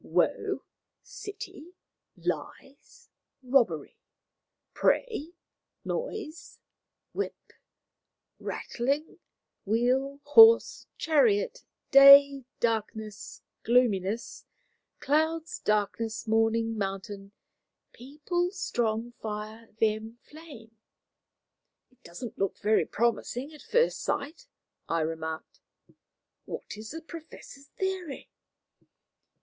] "Woe, city, lies, robbery, prey, noise, whip, rattling, wheel, horse, chariot, day, darkness, gloominess, clouds, darkness, morning, mountain, people, strong, fire, them, flame." "It doesn't look very promising at first sight," I remarked. "What is the Professor's theory?"